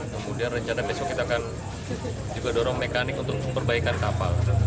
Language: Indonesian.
kemudian rencana besok kita akan juga dorong mekanik untuk perbaikan kapal